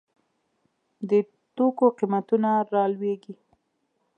د توکو قیمتونه رالویږي.